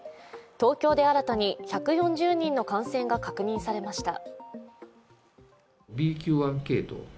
東京で新たに１４０人の感染が確認されました。